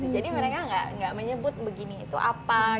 jadi mereka tidak menyebut begini itu apa